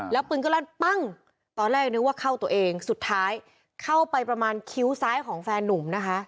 แล้วปืนก็ลั่นปั้งตอนแรกนึกว่าเข้าตัวเองสุดท้ายเข้าไปประมาณคิ้วซ้ายของแฟนนุ่มนะคะ